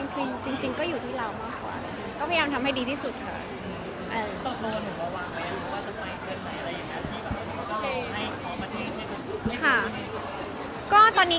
คือเหมือนแบบมีนี้๖๗ปี